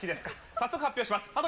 早速発表します。